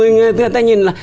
người ta nhìn là